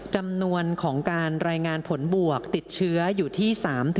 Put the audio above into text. จำนวนของการรายงานผลบวกติดเชื้ออยู่ที่๓๐